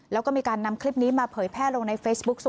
แล้วก็มีการนำคลิปนี้มาเผยแพร่ลงในเฟซบุ๊ค